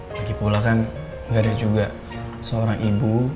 lagipula kan gak ada juga seorang ibu